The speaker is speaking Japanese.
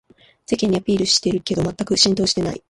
世間にアピールしてるけどまったく浸透してない